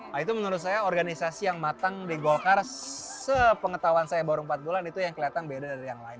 nah itu menurut saya organisasi yang matang di golkar sepengetahuan saya baru empat bulan itu yang kelihatan beda dari yang lain